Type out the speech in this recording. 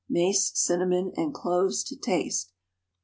Mace, cinnamon, and cloves to taste.